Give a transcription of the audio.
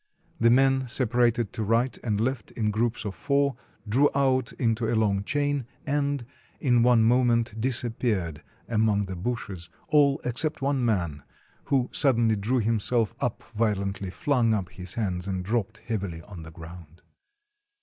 The men separated to right and left in groups of four, drew out into a long chain and, in one moment disappeared among the bushes ; all except one man, who suddenly drew himself up violently, flung up his hands and dropped heavily on the ground.